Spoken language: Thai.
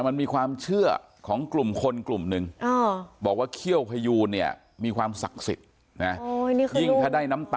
มันมีความเชื่อของกลุ่มคนกลุ่มหนึ่งบอกว่าเขี้ยวพยูนเนี่ยมีความศักดิ์สิทธิ์นะ